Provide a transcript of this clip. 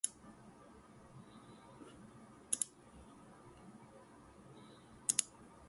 Morphologically, the news item utilizes standard English verb tenses and noun forms.